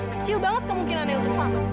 kecil banget kemungkinannya untuk selamat